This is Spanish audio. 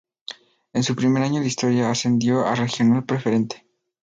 En su primer año de historia ascendió a Regional Preferente.